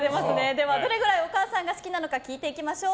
では、どれくらいお母さんが好きか聞いていきましょう。